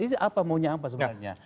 ini apa maunya apa sebenarnya